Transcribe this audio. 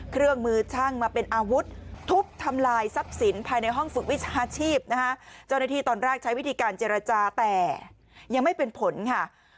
เครื่องมือช่างมาเป็นอาวุธทุบทำลายทรัพย์สินภายในห้องฝึกวิชาชีพนะฮะเจ้าหน้าที่ตอนแรกใช้วิธีการเจรจาแต่ยังไม่เป็นผลค่ะ